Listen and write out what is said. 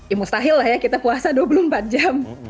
ya mustahil lah ya kita puasa dua puluh empat jam